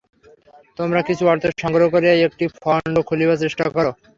তোমরা কিছু অর্থ সংগ্রহ করিয়া একটি ফণ্ড খুলিবার চেষ্টা কর।